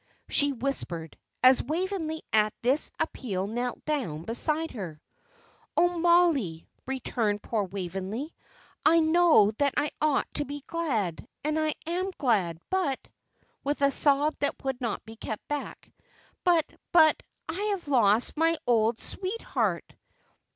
she whispered, as Waveney, at this appeal, knelt down beside her. "Oh, Mollie!" returned poor Waveney, "I know that I ought to be glad, and I am glad. But" with a sob that would not be kept back "But but, I have lost my old sweetheart."